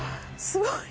すごい！